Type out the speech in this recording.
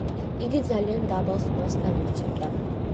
იგი ძალიან დაბალ ხმას გამოსცემდა.